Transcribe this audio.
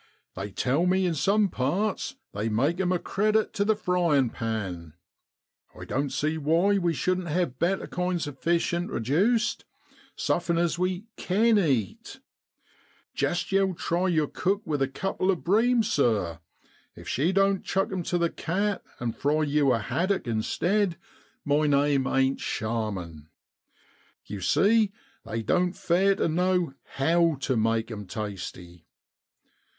They tell me in some parts they make 'em a credit tu the fryin' pan. I doan't see why we shouldn't hev better kinds of fish introduced, sufnn' as we ken eat. Jest yow try your cook with a couple of bream, sir; if she don't chuck 'em to the cat, and fry yew a haddock instead, my name ain't Sharman ! Yew see they doan't fare tu know how tu make 'em tasty.